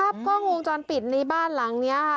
ภาพพร่องงจรปิดในบ้านหลังเนี่ย